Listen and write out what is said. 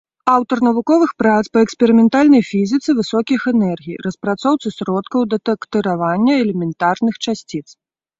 Аўтар навуковых прац па эксперыментальнай фізіцы высокіх энергій, распрацоўцы сродкаў дэтэктыравання элементарных часціц.